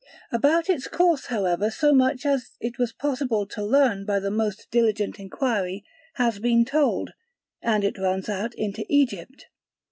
About its course however so much as it was possible to learn by the most diligent inquiry has been told; and it runs out into Egypt.